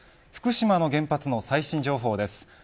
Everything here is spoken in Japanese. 福島の原発の最新情報です。